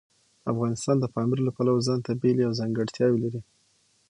افغانستان د پامیر له پلوه ځانته بېلې او ځانګړتیاوې لري.